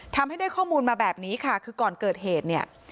ทำให้ได้ข้อมูลมาแบบนี้ค่ะคือก่อนเกิดเหตุเนี่ย